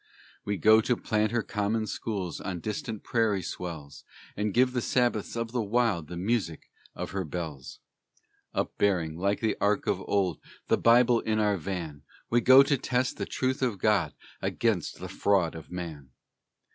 We go to plant her common schools On distant prairie swells, And give the Sabbaths of the wild The music of her bells. Upbearing, like the Ark of old, The Bible in our van, We go to test the truth of God Against the fraud of man.